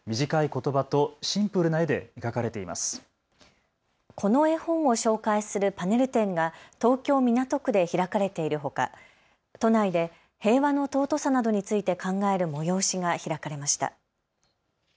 この絵本を紹介するパネル展が東京港区で開かれているほか都内で平和の尊さなどについて考える催しが開かれました。